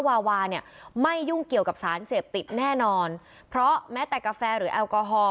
วาวาเนี่ยไม่ยุ่งเกี่ยวกับสารเสพติดแน่นอนเพราะแม้แต่กาแฟหรือแอลกอฮอล